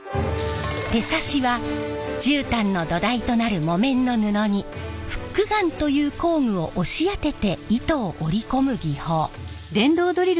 手刺しは絨毯の土台となる木綿の布にフックガンという工具を押し当てて糸を織り込む技法。